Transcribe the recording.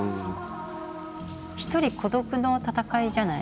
一人孤独の戦いじゃない？